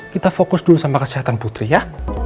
kita fokus dulu sama kesehatan putri ya